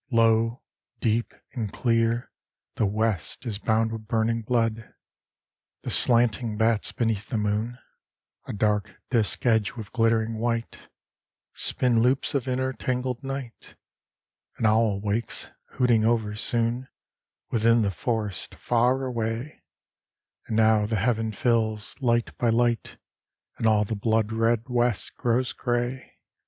Low, deep and clear, The west is bound with burning blood. The slanting bats beneath the moon, A dark disk edge with glittering white, Spin loops of intertangled night: An owl wakes, hooting over soon, Within the forest far away: And now the heav'n fills, light by light, And all the blood red west grows gray.